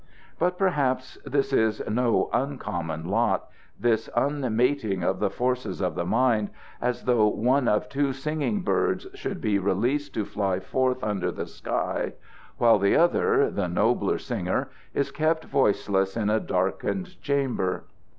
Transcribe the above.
But perhaps this is no uncommon lot this unmating of the forces of the mind, as though one of two singing birds should be released to fly forth under the sky, while the other the nobler singer is kept voiceless in a darkened chamber.